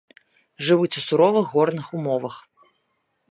Жывуць у суровых горных умовах.